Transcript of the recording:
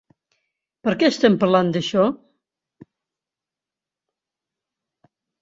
Per què estem parlant d'això?